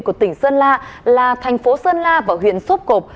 của tỉnh sơn la là thành phố sơn la và huyện sốp cộp